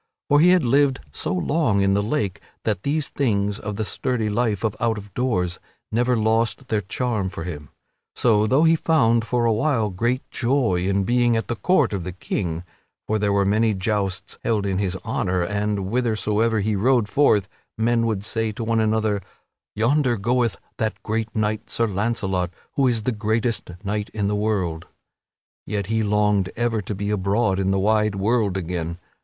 For he had lived so long in the Lake that these things of the sturdy life of out of doors never lost their charm for him. So, though he found, for a while, great joy in being at the court of the King (for there were many jousts held in his honor, and, whithersoever he rode forth, men would say to one another: "Yonder goeth that great knight, Sir Launcelot, who is the greatest knight in the world"), yet he longed ever to be abroad in the wide world again.